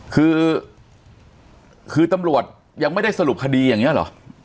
คือคือตำรวจยังไม่ได้สรุปคดีอย่างนี้เหรอ